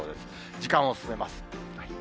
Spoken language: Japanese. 時間を進めます。